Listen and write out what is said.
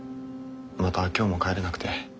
また今日も帰れなくて。